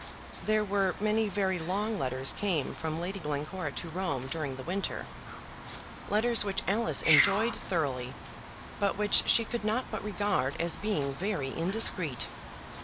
There were many very long letters came from Lady Glencora to Rome during the winter, letters which Alice enjoyed thoroughly, but which she could not but regard as being very indiscreet.